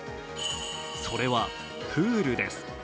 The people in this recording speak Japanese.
それは、プールです。